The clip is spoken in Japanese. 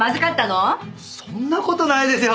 そんな事ないですよ。